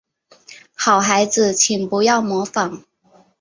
好孩子请不要模仿